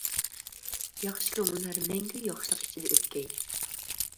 ياخشى كۆڭۈللەر مەڭگۈ ياخشىلىق ئىچىدە ئۆتكەي.